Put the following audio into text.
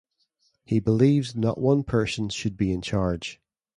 He believes not one person should be in charge.